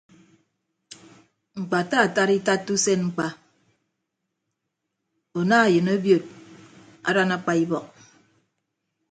Ñkpataatat itatta usen ñkpa una eyịn obiot adan akpa ibọk.